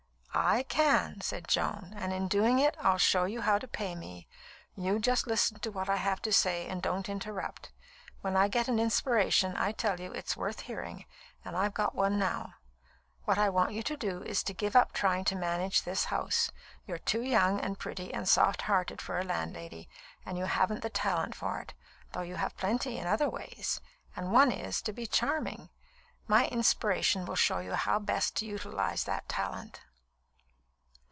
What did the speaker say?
"I can," said Joan; "and in doing it, I'll show you how to pay me. You just listen to what I have to say, and don't interrupt. When I get an inspiration, I tell you, it's worth hearing, and I've got one now. What I want you to do is to give up trying to manage this house. You're too young and pretty and soft hearted for a landlady, and you haven't the talent for it, though you have plenty in other ways, and one is, to be charming. My inspiration will show you how best to utilise that talent."